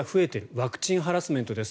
ワクチンハラスメントです。